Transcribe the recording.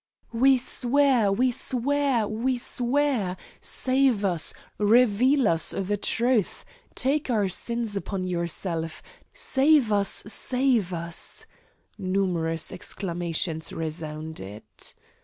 "We swear! We swear! We swear! Save us! Reveal to us the truth! Take our sins upon yourself! Save us! Save us!" numerous exclamations resounded.